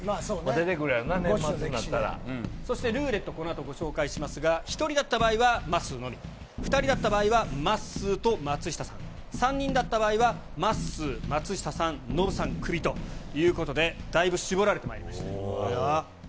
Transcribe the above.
出てくるやろな、年末になっそしてルーレット、このあと、ご紹介しますが、１人だった場合は、まっすーのみ、２人だった場合はまっすーと松下さん、３人だった場合はまっすー、松下さん、ノブさんクビということで、だいぶ絞られてまいりました。